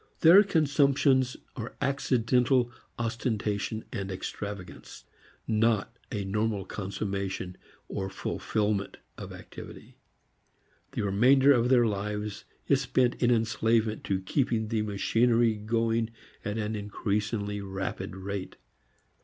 Their consumptions are accidental ostentation and extravagance, not a normal consummation or fulfilment of activity. The remainder of their lives is spent in enslavement to keeping the machinery going at an increasingly rapid rate.